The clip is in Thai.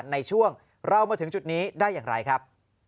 ในช่วงเรามาถึงจุดนี้ได้อย่างไรครับ